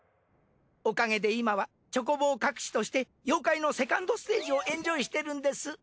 おかげで今はチョコボーかくしとして妖怪のセカンドステージをエンジョイしてるんです。